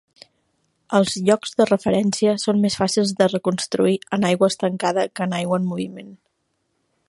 Els llocs de referència són més fàcils de reconstruir en aigua estancada que en aigua en moviment.